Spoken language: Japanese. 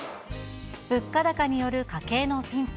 物価高による家計のピンチ。